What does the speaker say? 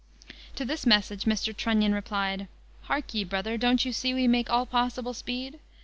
To this message Mr. Trunnion replied, "Hark ye, brother, don't you see we make all possible speed?